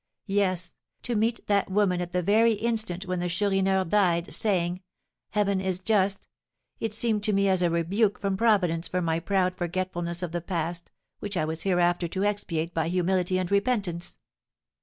Yes, to meet that woman at the very instant when the Chourineur died, saying, 'Heaven is just!' it seemed to me as a rebuke from Providence for my proud forgetfulness of the past, which I was hereafter to expiate by humility and repentance."